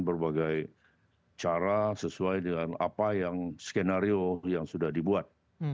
berbagai cara sesuai dengan apa yang skenario yang sudah dibuat